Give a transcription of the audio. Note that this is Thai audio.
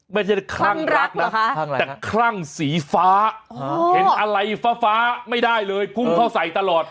ไม่ได้คลั่งรักนะแต่คลั่งสีฟ้าเห็นอะไรฟ้าไม่ได้เลยพุ่งเข้าใส่ตลอด